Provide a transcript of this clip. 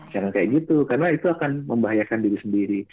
jangan kayak gitu karena itu akan membahayakan diri sendiri